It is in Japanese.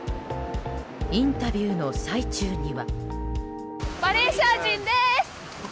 インタビューの最中には。